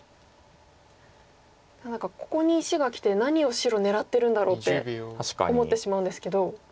ここに石がきて何を白狙ってるんだろうって思ってしまうんですけど。